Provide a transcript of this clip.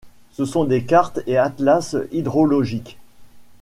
Ce sont des cartes et atlas hydrologiques.